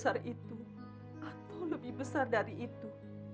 atau lebih besar dari itu